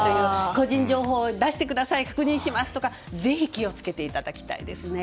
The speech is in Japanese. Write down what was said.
個人情報を出してください確認してくださいとかぜひ気を付けていただきたいですね。